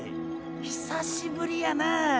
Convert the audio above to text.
久しぶりやなあ！